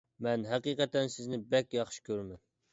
مەن ھەقىقەتەن سىزنى بەك ياخشى كۆرىمەن.